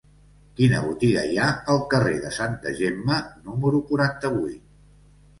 Quina botiga hi ha al carrer de Santa Gemma número quaranta-vuit?